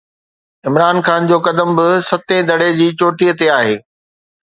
عمران خان جو قدم به ستين دڙي جي چوٽي تي آهي.